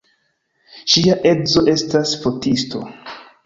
Ŝia edzo estas fotisto.